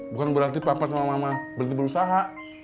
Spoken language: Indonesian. bukan berarti papa sama mama berhenti berusaha